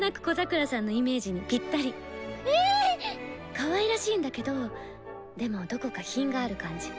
かわいらしいんだけどでもどこか品がある感じ。